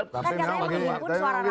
tapi memang gini